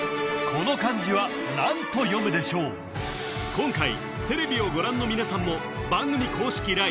この漢字は何と読むでしょう今回テレビをご覧の皆さんも番組公式